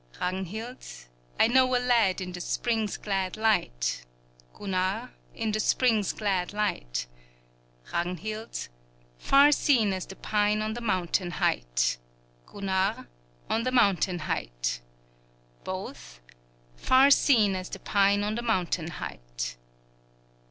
Ragnhild I know a lad in the spring's glad light, Gunnar In the spring's glad light; Ragnhild Far seen as the pine on the mountain height, Gunnar On the mountain height; Both Far seen as the pine on the mountain height.